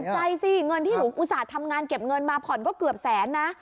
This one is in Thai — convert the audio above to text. ใจสิเงินที่หนูอุตส่าห์ทำงานเก็บเงินมาผ่อนก็เกือบแสนนะ